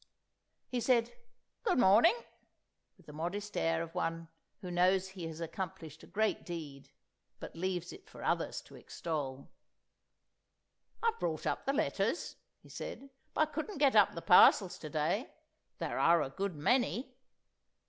He said "Good morning" with the modest air of one who knows he has accomplished a great deed, but leaves it for others to extol. "I've brought up the letters," he said; "but I couldn't get up the parcels to day. There are a good many."